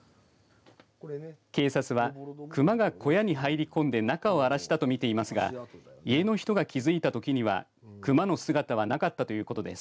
警察はクマが小屋に入り込んで中を荒らしたと見ていますが家の人が気づいたときにはクマの姿はなかったということです。